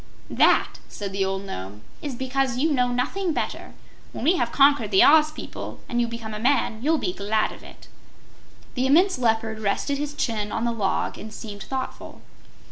"That," said the old Nome, "is because you know nothing better. When we have conquered the Oz people, and you become a man, you'll be glad of it." The immense Leopard rested his chin on the log and seemed thoughtful.